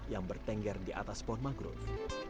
yang bertengger di atas pohon mangrove